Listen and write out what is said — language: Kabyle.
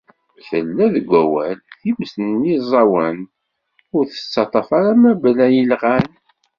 Yella deg wawal ; times n yiẓawen ur tettaṭṭaf ara mebla ilɣan.